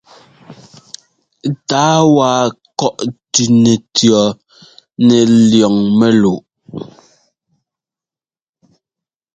Tǎa wa kɔ̂ʼ tʉ́ nɛtʉ̈ nɛ liɔŋ mɛ́luʼ.